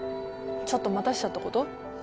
ちょっと待たせちゃったこと？